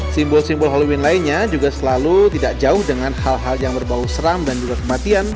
simbol simbol halloween lainnya juga selalu tidak jauh dengan hal hal yang berbau seram dan juga kematian